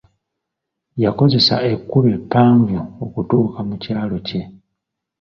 Yakozesa ekkubo eppanvu okutuuka mu kyalo kye.